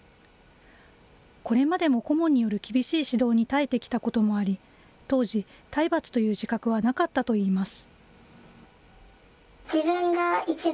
これまでも顧問による厳しい指導に耐えてきたこともあり、当時、体罰という自覚はなかったといいます。